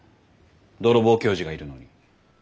泥棒教授がいるのに。